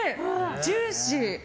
ジューシー。